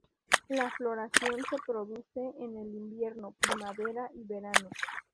La floración se produce en el invierno, primavera y verano.